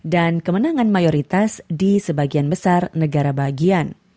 dan kemenangan mayoritas di sebagian besar negara bagian